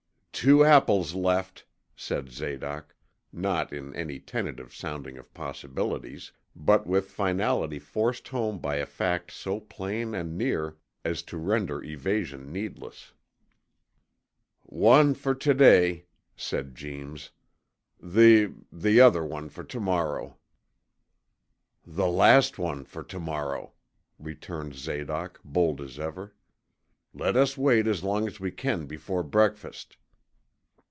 'Two apples left,' said Zadoc, not in any tentative sounding of possibilities, but with finality forced home by a fact so plain and near as to render evasion needless. 'One for to day,' said Jeems, 'the the other one for to morrow.' 'The last one for to morrow!' returned Zadoc, bold as ever. 'Let us wait as long as we can before breakfast!'